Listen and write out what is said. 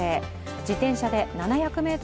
自転車で７００ｍ